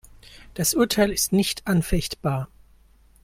Das Urteil ist nicht anfechtbar.